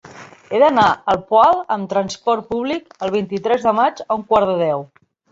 He d'anar al Poal amb trasport públic el vint-i-tres de maig a un quart de deu.